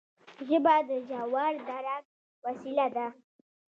ژبه د ژور درک وسیله ده